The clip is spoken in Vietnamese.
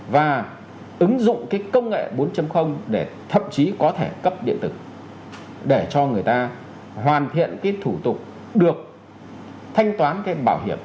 và ứng dụng cái công nghệ bốn để thậm chí có thể cấp điện tử để cho người ta hoàn thiện cái thủ tục được thanh toán thêm bảo hiểm